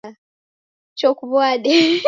Choo kuw'ade